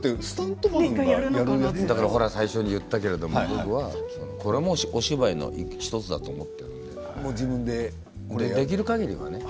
最初も言ったけどこれもお芝居の１つだと思っているからできるかぎりはね